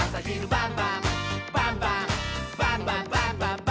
「バンバンバンバンバンバン！」